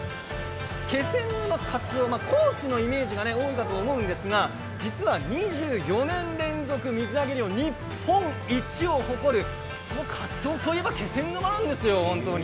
気仙沼、かつおは高知のイメージが多いと思うんですが、実は２４年連続水揚げ量日本一を誇るかつおといえば気仙沼なんですよ、本当に。